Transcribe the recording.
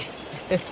フフ。